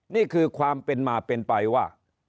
นี่คือความเป็นมาเป็นไปว่า